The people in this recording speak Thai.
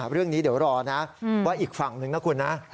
เรื่องนี้เดี๋ยวรอนะว่าอีกฝั่งนึงนะคุณนะ